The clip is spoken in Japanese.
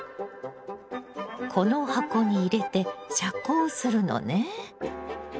この箱に入れて遮光するのね。